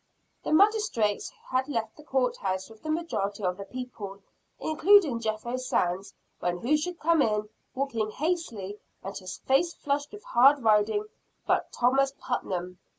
The magistrates had left the Court House, with the majority of the people, including Jethro Sands, when who should come in, walking hastily, and his face flushed with hard riding, but Thomas Putnam.